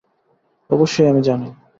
অবশ্যই আমি জানি।